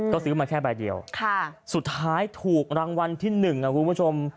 ก็ซื้อมาแค่ใบเดียวสุดท้ายถูกรางวัลที่๑ครับคุณผู้ชม